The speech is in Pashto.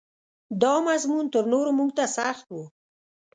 دا مضمون تر نورو موږ ته سخت و.